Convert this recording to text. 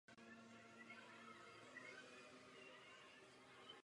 Později se staly součástí běžných počítačových grafických programů.